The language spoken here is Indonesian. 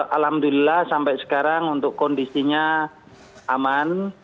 alhamdulillah sampai sekarang untuk kondisinya aman